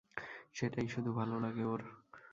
সেটাই শুধু ভালো লাগে ওর।